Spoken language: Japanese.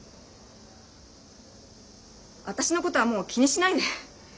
私のことはもう気にしないで。